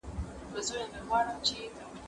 زه به سبا ليکنې کوم